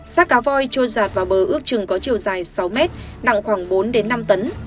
sát cá voi trôi rạt vào bờ ước trừng có chiều dài sáu mét nặng khoảng bốn năm tấn